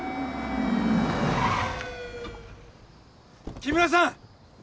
木村さん！